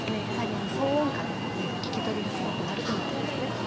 やはり騒音下での聞き取りがすごく悪くなるんですね。